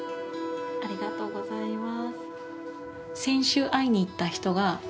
ありがとうございます。